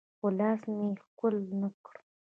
خو لاس مې يې ښکل نه کړ.